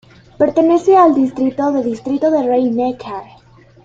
Pertenece al distrito de Distrito de Rhein-Neckar.